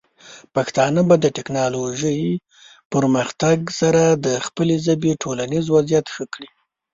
پښتانه به د ټیکنالوجۍ پرمختګ سره د خپلې ژبې ټولنیز وضعیت ښه کړي.